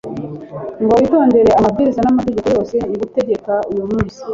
ngo witondere amabwiriza n'amategeko yose ngutegeka uyu munsi